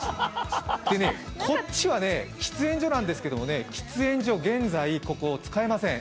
こっちはね、喫煙所なんですけど喫煙所、現在ここで使えません。